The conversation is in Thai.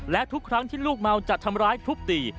และทุกครั้งที่ลูกเมาจะทำร้ายทุบตี